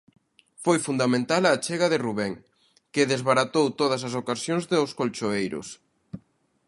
Foi fundamental a achega de Rubén, que desbaratou todas as ocasións dos colchoeiros.